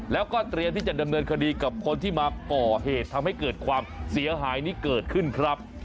แล้วก็เตรียมที่จะดำเนินคดีกับคนที่มาก่อเหตุทำให้เกิดความเสียหายนี้เกิดขึ้นครับ